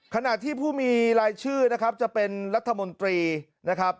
ขณะที่ผู้มีรายชื่อนะครับจะเป็นรัฐมนตรีนะครับ